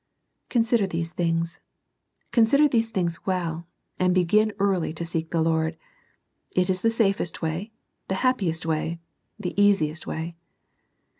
Consider these things, — consider these things well ; and begin early to seek the Lord. It is the safest way, the happiest way, the easiest way.